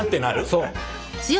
そう。